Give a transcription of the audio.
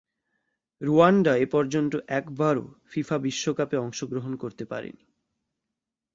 Rwanda এপর্যন্ত একবারও FIFA বিশ্বকাপে অংশগ্রহণ করতে পারেনি।